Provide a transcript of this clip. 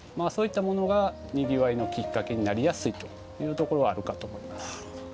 そういったものがにぎわいのきっかけになりやすいというところはあるかと思います。